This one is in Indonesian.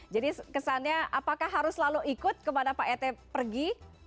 jadi kesannya apakah harus selalu ikut kemana pak ete pergi